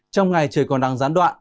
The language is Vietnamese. trong ngày trời còn đang gián đoạn